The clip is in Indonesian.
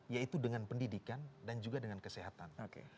yaitu dengan pendidikan dan juga dengan kesehatan